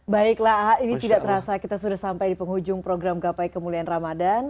baiklah ini tidak terasa kita sudah sampai di penghujung program gapai kemuliaan ramadhan